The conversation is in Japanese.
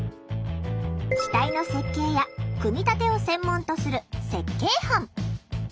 機体の設計や組み立てを専門とする設計班。